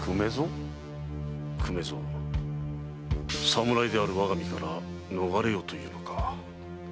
侍である我が身から逃れようというのか